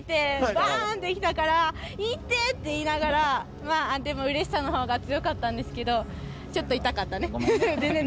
強すぎバンって来たから、痛い！って言いながら、でもうれしさのほうが強かったんですけど、ちょっと痛かったね。